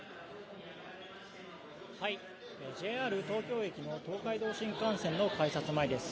ＪＲ東京駅の東海道新幹線の改札前です。